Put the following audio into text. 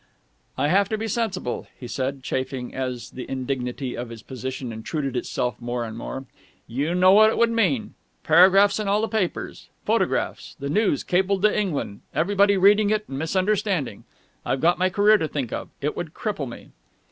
"I have to be sensible," he said, chafing as the indignity of his position intruded itself more and more. "You know what it would mean.... Paragraphs in all the papers.... photographs ... the news cabled to England ... everybody reading it and misunderstanding.... I've got my career to think of.... It would cripple me...."